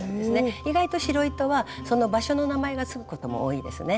意外と白糸はその場所の名前が付くことも多いですね。